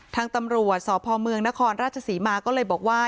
ทางตำรวจสพเมืองนครราชศรีมาก็เลยบอกว่า